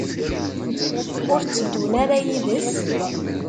Ur tteddun ara yid-s?